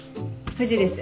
藤です。